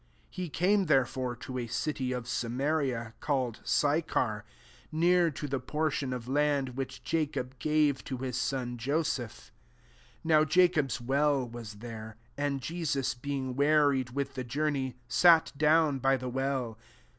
5 He came, therefore, to a city of Samaria, called Sychar, hear to the portion of land which Jacob gave to his son Joseph. 6 Now Jacob's well was there. And Jesus, being wearied with the journey, sat down by the well.